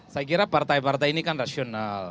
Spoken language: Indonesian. saya kira partai partai ini kan rasional